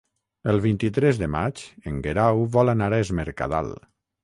El vint-i-tres de maig en Guerau vol anar a Es Mercadal.